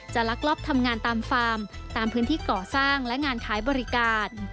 ลักลอบทำงานตามฟาร์มตามพื้นที่ก่อสร้างและงานขายบริการ